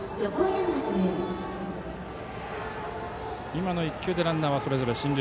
今の１球でランナーそれぞれ進塁。